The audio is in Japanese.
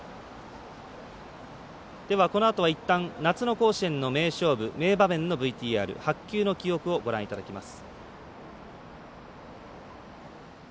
このあとは、いったん夏の甲子園の名勝負名場面のＶＴＲ白球の記憶をご覧いただきます。